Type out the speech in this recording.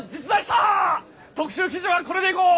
特集記事はこれでいこう！